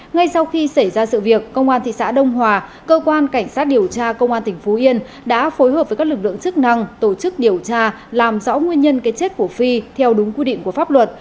ngay sau khi xảy ra sự việc công an thị xã đông hòa cơ quan cảnh sát điều tra công an tỉnh phú yên đã phối hợp với các lực lượng chức năng tổ chức điều tra làm rõ nguyên nhân cái chết của phi theo đúng quy định của pháp luật